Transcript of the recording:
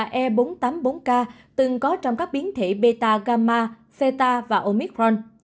các đột biến này cũng có trong các biến thể beta gamma theta và omicron